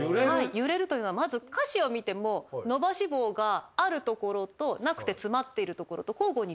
揺れるというのはまず歌詞を見ても伸ばし棒があるところとなくて詰まっているところと交互に出てくるんです。